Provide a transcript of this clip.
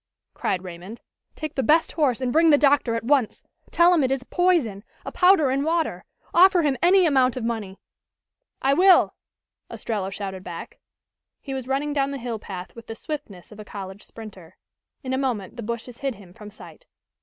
cried Raymond. "Take the best horse and bring the doctor at once. Tell him it is poison a powder in water. Offer him any amount of money " "I will!" Ostrello shouted back. He was running down the hill path with the swiftness of a college sprinter. In a moment the bushes hid him from sight.